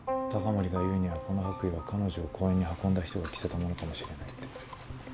高森が言うにはこの白衣は彼女を公園に運んだ人が着せたものかもしれないって。